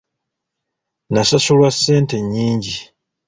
Nasasulwa ssente nnyingi .